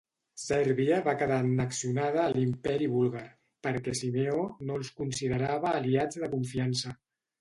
Sèrbia va quedar annexionada a l'Imperi Búlgar, perquè Simeó no els considerava aliats de confiança.